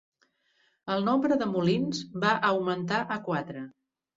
El nombre de molins va augmentar a quatre.